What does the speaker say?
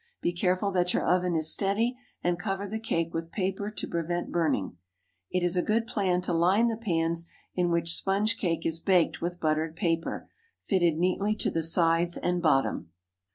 Be careful that your oven is steady, and cover the cake with paper to prevent burning. It is a good plan to line the pans in which sponge cake is baked with buttered paper, fitted neatly to the sides and bottom.